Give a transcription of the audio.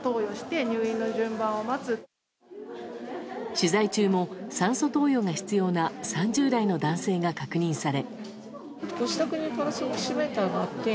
取材中も、酸素投与が必要な３０代の男性が確認され。